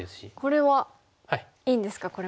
これはいいんですかこれも。